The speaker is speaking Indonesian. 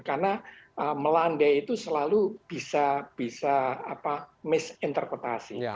karena melande itu selalu bisa misinterpretasi